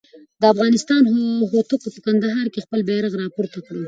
د افغانستان هوتکو په کندهار کې خپل بیرغ پورته کړ.